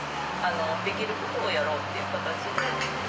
できることをやろうっていう形で。